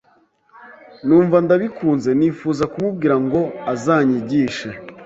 numva ndabikunze nifuza kumubwira ngo azanyigishe.